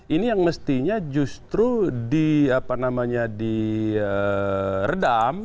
ini yang mestinya justru di redam